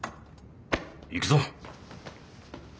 行くぞ。